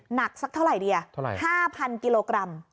หนักสักเท่าไรดีอะ๕๐๐๐กิโลกรัม